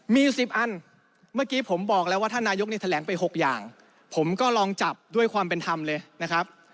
มี๑๐อันเมื่อกี้ผมบอกแล้วว่าท่านนายกเนี่ยแถลงไป๖อย่างผมก็ลองจับด้วยความเป็นธรรมเลยนะครับ